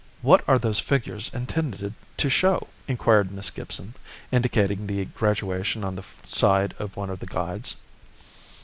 "What are those figures intended to show?" inquired Miss Gibson, indicating the graduation on the side of one of the guides.